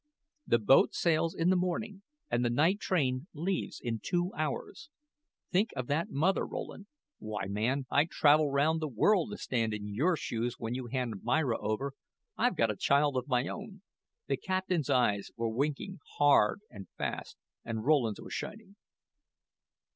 The boat sails in the morning and the night train leaves in two hours. Think of that mother, Rowland. Why, man, I'd travel round the world to stand in your shoes when you hand Myra over. I've got a child of my own." The captain's eyes were winking hard and fast, and Rowland's were shining.